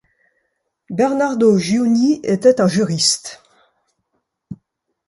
Bernardo Giugni était un juriste.